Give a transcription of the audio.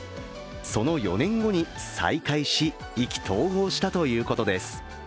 その４年後に再会し意気投合したということです。